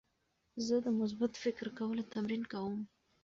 زه د مثبت فکر کولو تمرین کوم.